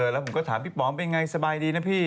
แล้วผมก็ถามพี่ป๋อมเป็นไงสบายดีนะพี่